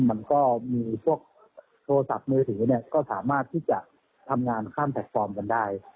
มันก็มีพวกโทรศัพท์มือถือเนี่ยก็สามารถที่จะทำงานข้ามแพลตฟอร์มกันได้